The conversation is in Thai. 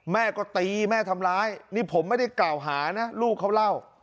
แม่ก็ตีแม่ทำร้ายนี่ผมไม่ได้กล่าวหานะลูกเขาเล่า